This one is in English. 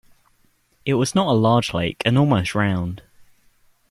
It was not a large lake, and almost round.